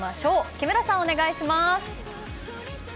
木村さん、お願いします。